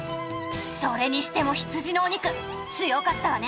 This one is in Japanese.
それにしても羊のお肉強かったわね。